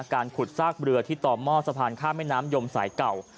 การขุดซากเรือที่ต่อหม้อสะพานข้ามแม่น้ำยมสายเก่า